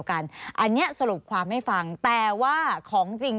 สนุนโดยน้ำดื่มสิง